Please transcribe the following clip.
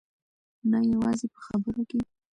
نه یوازې په خبرو کې.